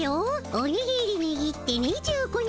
「おにぎりにぎって２５年」